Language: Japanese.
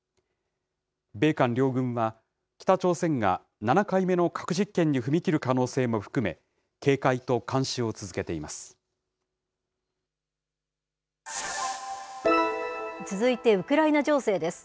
米韓両軍は、北朝鮮が７回目の核実験に踏み切る可能性も含め、警続いて、ウクライナ情勢です。